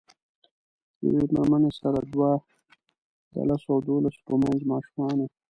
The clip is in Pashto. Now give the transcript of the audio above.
یوې میرمنې سره دوه د لسو او دولسو په منځ ماشومان وو.